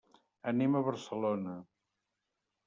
Anem a Barcelona.